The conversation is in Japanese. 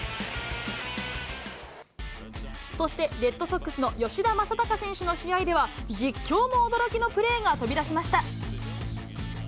そして、レッドソックスの吉田正尚選手の試合では、実況も驚きのプレーが飛び出しました。